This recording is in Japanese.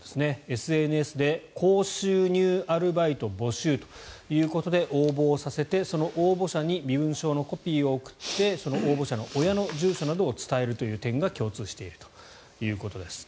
ＳＮＳで高収入アルバイト募集ということで応募をさせて、その応募者に身分証のコピーを送ってその応募者の親の住所などを伝えるという点が共通しているということです。